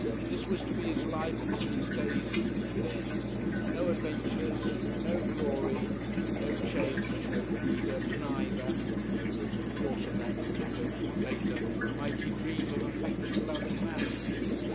This was to be his life until his days should end. No adventures, no glory, no change, no freedom. Neither though the force of that came home to him later might he dream of effectual love and marriage.